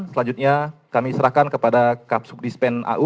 selanjutnya kami serahkan kepada kapsu dispenau